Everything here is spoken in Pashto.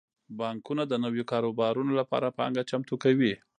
بانکونه د نویو کاروبارونو لپاره پانګه چمتو کوي.